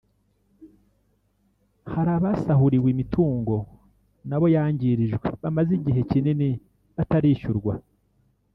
Hari abasahuriwe imitungo n’abo yangirijwe bamaze igihe kinini batarishyurwa